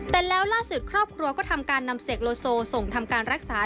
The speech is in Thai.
แต่แล้วล่าสุดครอบครัวก็ทำการนำเสกโลโซส่งทำการรักษา